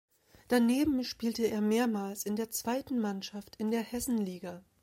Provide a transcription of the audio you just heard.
Daneben spielte er mehrmals in der zweiten Mannschaft in der Hessenliga.